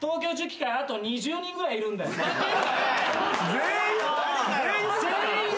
全員？